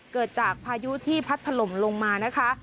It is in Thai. เกิดจากพายุที่พัดถล่มลงมานะคะ